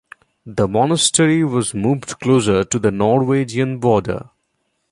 The monastery was moved closer to the Norwegian border.